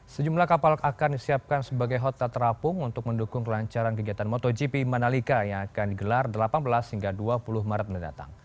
sejumlah kapal akan disiapkan sebagai hotel terapung untuk mendukung kelancaran kegiatan motogp manalika yang akan digelar delapan belas hingga dua puluh maret mendatang